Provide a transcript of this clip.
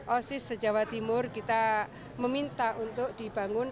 osis sejawa timur kita meminta untuk dibangun